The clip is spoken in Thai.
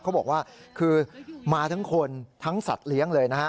เขาบอกว่าคือมาทั้งคนทั้งสัตว์เลี้ยงเลยนะฮะ